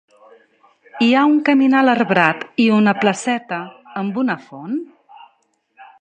Hi ha un caminal arbrat i una placeta, amb una font.